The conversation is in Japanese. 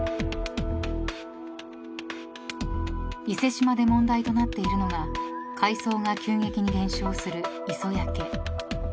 ［伊勢志摩で問題となっているのが海藻が急激に減少する磯焼け］